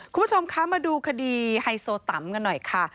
คุณผู้ชมคะมาดูคดีไฮโซตำกันหน่อยค่ะ